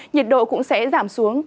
nhiệt độ cũng sẽ giảm xuống